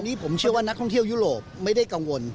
นี้ผมเชื่อว่านักท่องเที่ยวยุโรปไม่ได้กังวล